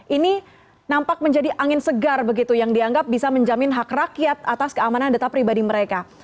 ini nampak menjadi angin segar begitu yang dianggap bisa menjamin hak rakyat atas keamanan data pribadi mereka